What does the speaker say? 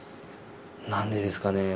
何でですかね。